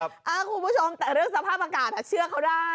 คุณผู้ชมแต่เรื่องสภาพอากาศเชื่อเขาได้